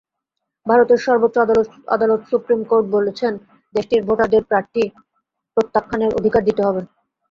ভারতের সর্বোচ্চ আদালত সুপ্রিম কোর্ট বলেছেন, দেশটির ভোটারদের প্রার্থী প্রত্যাখ্যানের অধিকার দিতে হবে।